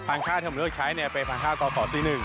พันธุ์ข้าวแถวผมเลือกใช้ไปพันธุ์ข้าวก่อนต่อสีหนึ่ง